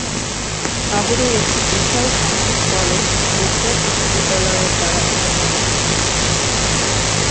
নগরীর একটি বিশাল সংখ্যক কলেজ গুজরাট বিশ্ববিদ্যালয়ের দ্বারা অনুমোদিত।